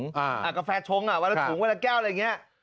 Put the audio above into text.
กาแฟชงอ่ะวันละถุงวันละแก้วอะไรอย่างนี้